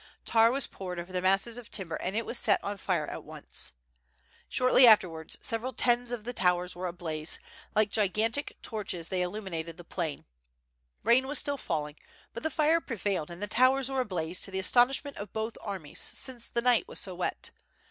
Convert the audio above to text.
Tar was poured over the masses of timber and it was set on fire at once. Shortly afterwards several tens of the towers were ablazo, like gigantic torches they illumined the plain. Kain was still falling, but the fire prevailed and the towers were ablaze to the astonishment of both armies, since the night was so wet.